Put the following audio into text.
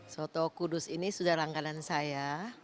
soto kudus ini sudah langganan saya